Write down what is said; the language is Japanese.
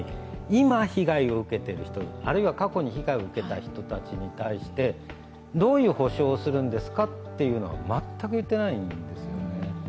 今、被害を受けている人たち、あるいは過去に被害を受けた人たちに対してどういう補償をするんですかというのは全く言っていないんですよね。